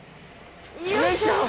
よいしょ！